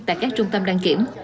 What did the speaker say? tại các trung tâm đăng kiểm